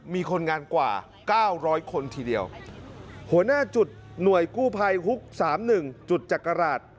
มีคนงานกว่าเก้าร้อยคนทีเดียวหัวหน้าจุดหน่วยกู้ภัยฮุกสามหนึ่งจุดจักราช